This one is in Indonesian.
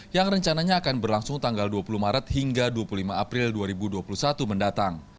yang rencananya akan berlangsung tanggal dua puluh maret hingga dua puluh lima april dua ribu dua puluh satu mendatang